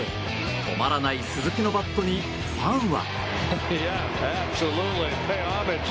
止まらない鈴木のバットにファンは。